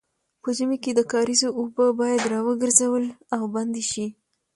په ژمي کې د کاریزو اوبه باید راوګرځول او بندې شي.